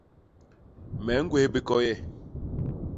Me ñgwés bikoye.